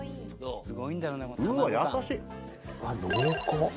濃厚。